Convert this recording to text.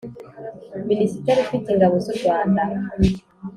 Minisitiri ufite Ingabo z u Rwanda